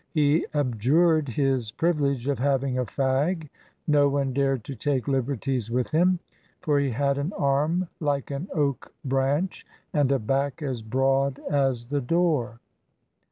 He abjured his privilege of having a fag. No one dared to take liberties with him, for he had an arm like an oak branch, and a back as broad as the door.